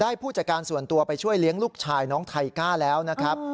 ผู้จัดการส่วนตัวไปช่วยเลี้ยงลูกชายน้องไทก้าแล้วนะครับ